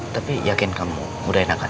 tapi yakin kamu mudah enakan